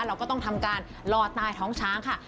เราก็ต้องทำการลอดใต้ท้องช้างค่ะ